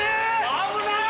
危ない！